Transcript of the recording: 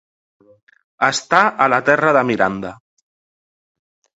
Estar a la terra de Miranda.